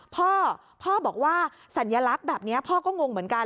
พ่อพ่อบอกว่าสัญลักษณ์แบบนี้พ่อก็งงเหมือนกัน